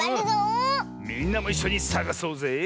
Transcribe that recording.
みんなもいっしょにさがそうぜ。